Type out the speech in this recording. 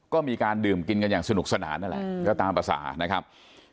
ก็มีการดื่มกินกันอย่างสนุกสนานนั่นแหละก็ตามภาษานะครับ